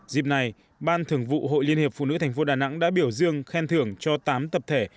dịp này ban thưởng vụ hội liên hiệp phụ nữ thành phố đà nẵng đã biểu dương khen thưởng cho tám tập thể